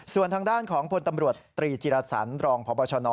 ส่วนทางด้านของพลตำรวจตรีจิรสันรองพบชน